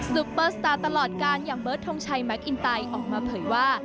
ปเปอร์สตาร์ตลอดการอย่างเบิร์ดทงชัยแมคอินไตออกมาเผยว่า